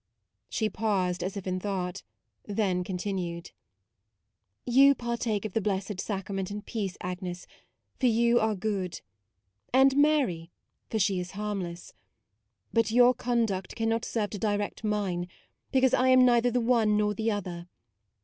She paused as if in thought; then continued :" You partake of the Blessed Sacrament in peace, Agnes, for you are good ; and Mary, for she is harmless : but your con duct cannot serve to direct mine, because I am neither the one nor the other.